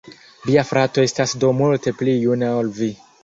Via frato estas do multe pli juna ol vi.